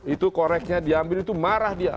itu koreknya diambil itu marah dia